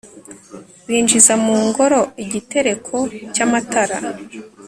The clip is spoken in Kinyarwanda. binjiza mu ngoro igitereko cy'amatara